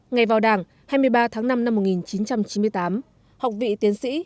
ngày vào đảng hai mươi ba tháng năm năm một nghìn chín trăm chín mươi tám học vị tiến sĩ